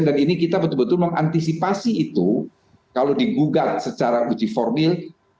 dan ini kita betul betul mengantisipasi itu kalau digugat secara uji formil